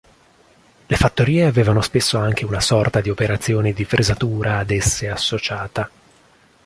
Le fattorie avevano spesso anche una sorta di operazione di fresatura ad esse associata.